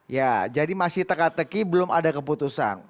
ya jadi masih teka teki belum ada keputusan